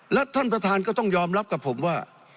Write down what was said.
และท่านประธานก็ต้องยอมรับกับผมว่า